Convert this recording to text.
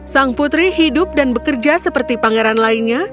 sang putri hidup dan bekerja seperti pangeran lainnya